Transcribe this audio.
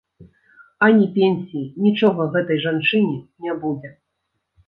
А ні пенсіі, нічога гэтай жанчыне не будзе.